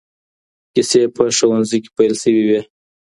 کیسې په ښوونځي کې پیل شوې وې.